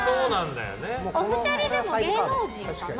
お二人、芸能人かな？